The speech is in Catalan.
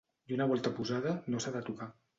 I una volta posada no s’ha de tocar.